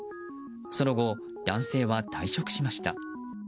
その後、男性は退職しました。